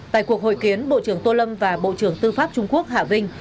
tại cuộc hội kiến bộ trưởng tô lâm và bộ trưởng tư pháp trung quốc hạ vinh